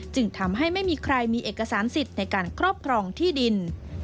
จึงทำให้ไม่มีใครมีเอกสารสิทธิ์ในการครอบครองที่ดิน